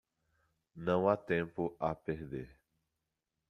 Não há tempo a perder